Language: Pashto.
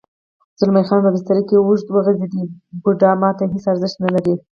زلمی خان په بستره کې اوږد وغځېد: بوډا ما ته هېڅ ارزښت نه لري.